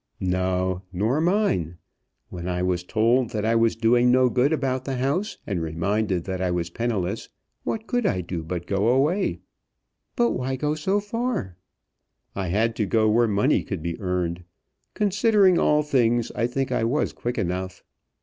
"No; nor mine. When I was told that I was doing no good about the house, and reminded that I was penniless, what could I do but go away?" "But why go so far?" "I had to go where money could be earned. Considering all things, I think I was quick enough.